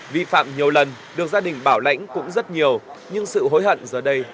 vi phạm nhiều lần được gia đình bảo lãnh cũng rất nhiều nhưng sự hối hận giờ đây